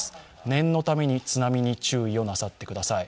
念のために津波に注意をなさってください。